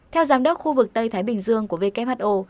theo giám đốc khu vực tây thái bình dương của who